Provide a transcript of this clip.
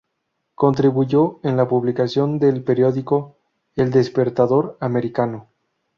Contribuyó en la publicación del periódico "El Despertador Americano".